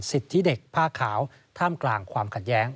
สิทธิเด็กผ้าขาวท่ามกลางความขัดแย้ง